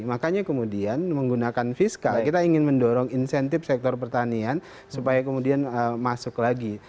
makanya kemudian menggunakan fiskal kita ingin mendorong insentif sektor pertanian supaya kemudian masuk lagi